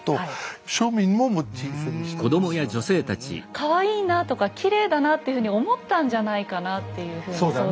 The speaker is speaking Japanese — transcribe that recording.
かわいいなとかきれいだなっていうふうに思ったんじゃないかなっていうふうに想像しますよね。